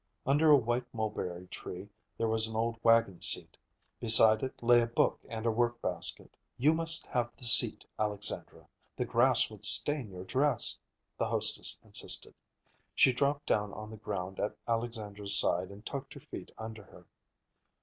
Under a white mulberry tree there was an old wagon seat. Beside it lay a book and a workbasket. "You must have the seat, Alexandra. The grass would stain your dress," the hostess insisted. She dropped down on the ground at Alexandra's side and tucked her feet under her.